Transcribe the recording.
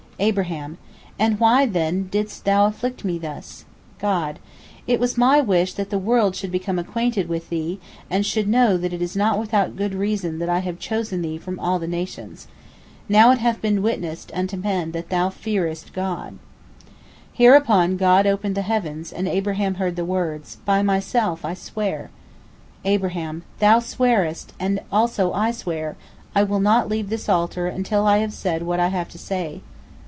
Abraham: "And why, then, didst Thou afflict me thus?" God: "It was My wish that the world should become acquainted with thee, and should know that it is not without good reason that I have chosen thee from all the nations. Now it hath been witnessed unto men that thou fearest God." Hereupon God opened the heavens, and Abraham heard the words, "By Myself I swear!" Abraham: "Thou swearest, and also I swear, I will not leave this altar until I have said what I have to say."